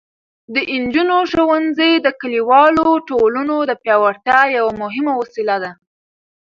د نجونو ښوونځي د کلیوالو ټولنو د پیاوړتیا یوه مهمه وسیله ده.